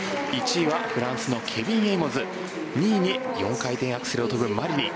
１位はフランスのケビン・エイモズ２位に４回転アクセルを跳ぶマリニン。